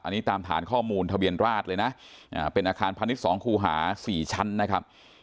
อันนี้ตามฐานข้อมูลทะเบียนราชเลยนะเป็นอาคารพาณิชย์๒คู่หา๔ชั้นนะครับ